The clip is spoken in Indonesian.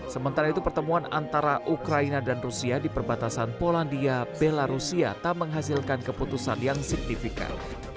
sementara itu pertemuan antara ukraina dan rusia di perbatasan polandia belarusia tak menghasilkan keputusan yang signifikan